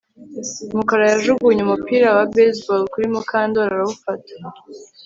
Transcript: Mukara yajugunye umupira wa baseball kuri Mukandoli arawufata